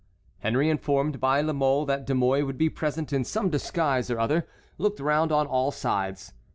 Henry, informed by La Mole that De Mouy would be present in some disguise or other, looked round on all sides.